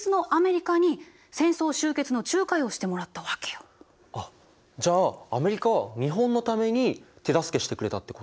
だから日本はあっじゃあアメリカは日本のために手助けしてくれたってことですか？